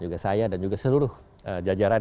juga saya dan juga seluruh jajaran